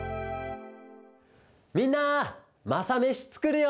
みんな「マサメシ」つくるよ！